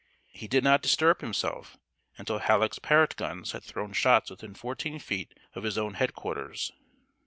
He did not disturb himself until Halleck's Parrott guns had thrown shots within fourteen feet of his own head quarters.